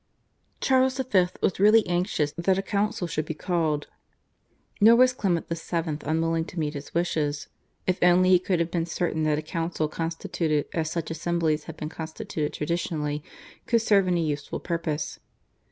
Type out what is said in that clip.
Charles V. was really anxious that a Council should be called, nor was Clement VII. unwilling to meet his wishes, if only he could have been certain that a Council constituted as such assemblies had been constituted traditionally, could serve any useful purpose.